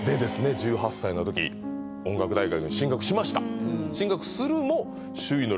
１８歳の時音楽大学に進学しました